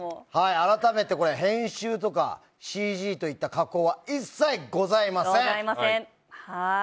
あらためて編集やＣＧといった加工は一切ございません。